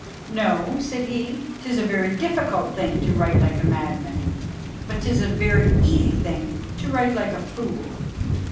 'No,' said he, ''tis a very difficult thing to write like a madman, but 'tis a very easy thing to write like a fool.'"